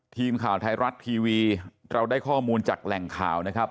ทีมข่าวไทยรัฐทีวีเราได้ข้อมูลจากแหล่งข่าวนะครับ